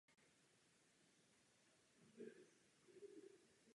Stadion je občas označován fanoušky a některými v médiích jako New White Hart Lane.